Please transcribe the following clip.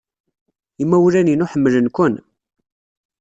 Imawlan-inu ḥemmlen-ken.